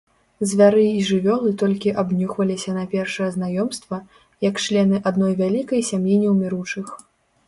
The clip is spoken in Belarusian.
Звяры і жывёлы толькі абнюхваліся на першае знаёмства, як члены адной вялікай сям'і неўміручых.